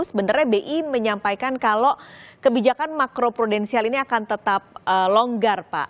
sebenarnya bi menyampaikan kalau kebijakan makro prudensial ini akan tetap longgar pak